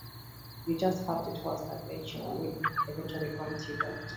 You just have to trust that nature will eventually grant you heft.